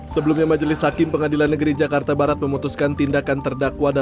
sebelumnya majelis hakim pengadilan negeri jakarta barat memutuskan tindakan terdakwa